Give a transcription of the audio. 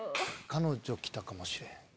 彼女来たかもしれへん。